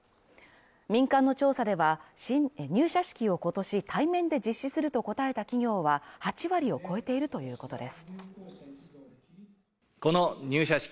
民間の調査では、新入社式を今年対面で実施すると答えた企業は８割を超えているということです。